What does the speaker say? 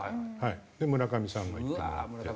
で村上さんがいてもらって。